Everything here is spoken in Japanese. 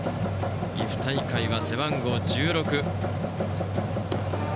岐阜大会は背番号１６。